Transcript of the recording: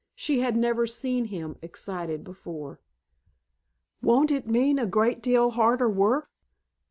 She had never seen him excited before. "Won't it mean a great deal harder work?"